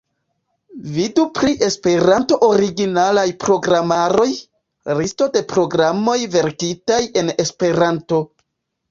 Vidu pri esperanto-originalaj programaroj: Listo de programoj verkitaj en Esperanto.